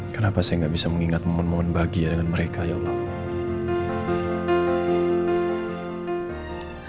kenapa saya nggak bisa mengingat momen momen bahagia dengan mereka ya allah